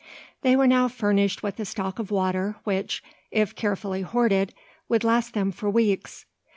They were now furnished with a stock of water which, if carefully hoarded, would last them for weeks.